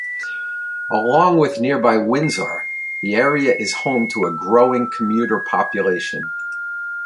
Along with nearby Windsor the area is home to a growing commuter population.